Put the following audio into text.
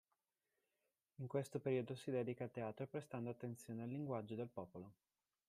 In questo periodo si dedica al teatro prestando attenzione al linguaggio del popolo.